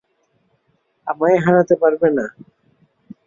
আমায় হারাতে পারবে না।